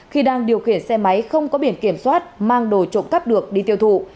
khi đang điều khiển xe máy không có biển kiểm soát mang đồ trộm cắp được đi tiêu thụ